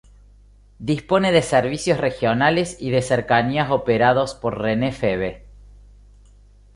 Dispone de servicios regionales y de cercanías operados por Renfe Feve.